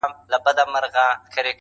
ولولئ نر او ښځي ټول د کتابونو کیسې-